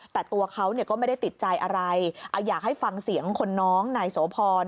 แต่ตัวเขาก็ไม่ได้ติดใจอะไรอยากให้ฟังเสียงคนน้องนายโสพร